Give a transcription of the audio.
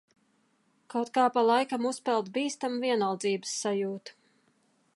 Kaut kā ik pa laikam uzpeld bīstama vienaldzības sajūta...